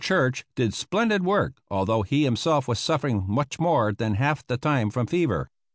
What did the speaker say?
Church did splendid work, although he himself was suffering much more than half the time from fever.